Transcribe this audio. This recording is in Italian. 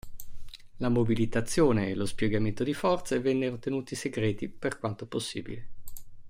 La mobilitazione e lo spiegamento di forze vennero tenuti segreti per quanto possibile.